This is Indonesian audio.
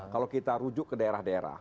kalau kita rujuk ke daerah daerah